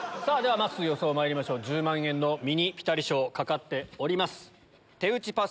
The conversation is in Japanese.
まっすー予想まいりましょう１０万円のミニピタリ賞懸かってます。